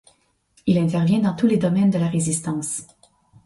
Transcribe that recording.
Il intervient dans tous les domaines de la Résistance.